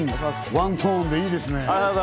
ワントーンでいいですね。